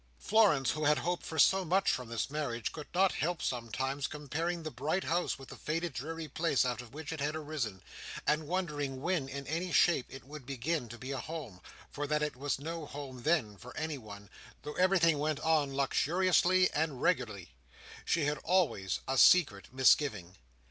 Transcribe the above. Florence, who had hoped for so much from this marriage, could not help sometimes comparing the bright house with the faded dreary place out of which it had arisen, and wondering when, in any shape, it would begin to be a home; for that it was no home then, for anyone, though everything went on luxuriously and regularly, she had always a secret misgiving.